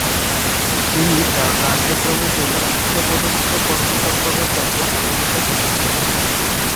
তিনি তার কার্যক্রম এর জন্য উচ্চ পদস্থ কর্মকর্তাদের কাছে আলোচিত হতে থাকেন।